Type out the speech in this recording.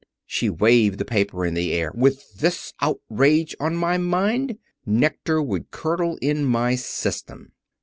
she waved the paper in the air "with this outrage on my mind! Nectar would curdle in my system."